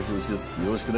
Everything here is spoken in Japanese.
よろしくね。